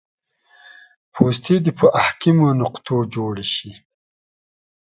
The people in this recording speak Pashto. پوستې دې په حاکمو نقطو جوړې شي